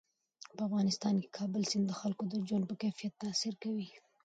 په افغانستان کې د کابل سیند د خلکو د ژوند په کیفیت تاثیر کوي.